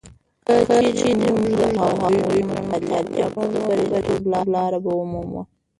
که چیرې موږ د هغوی ژوند مطالعه کړو، نو د بریالیتوب لارې به ومومو.